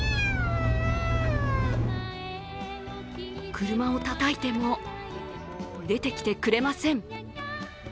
車をたたいても、出てきてくれません。